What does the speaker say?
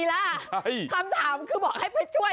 เฮ้ยเฮ้ยเฮ้ยเฮ้ยเฮ้ย